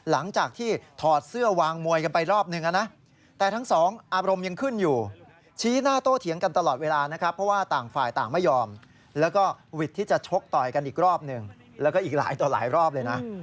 แล้วก็อีกหลายต่อหลายรอบเลยนะ